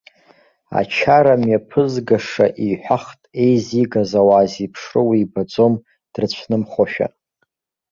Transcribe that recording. Ачара мҩаԥызгаша иҳәахт, еизигаз ауаа зеиԥшроу ибаӡом, дрыцәнымхошәа.